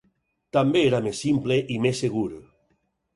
També era més simple i més segur.